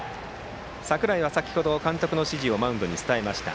櫻井は先程監督の指示をマウンドに伝えました。